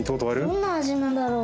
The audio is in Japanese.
どんなあじなんだろう。